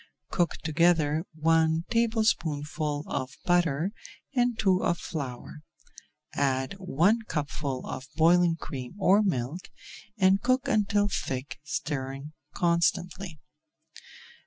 Cook together one tablespoonful of butter and two of flour, add one cupful of boiling cream or milk, and cook until thick, stirring constantly.